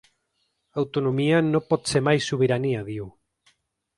Autonomia no pot ser mai sobirania, diu.